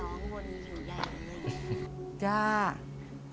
แล้วตัวนี้ร้องมนต์อยู่ใหญ่กว่าไหน